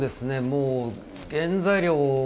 もう原材料